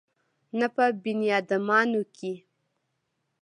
نه په بنيادامانو کښې.